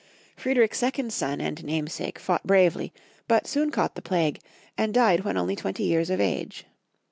Friedrich's second son and namesake fought bravely, but soon caught the plague, and died when only twenty years of age.